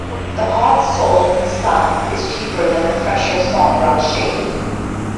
The hot "sol", "sun", is cheaper than the fresher "sombra", "shade".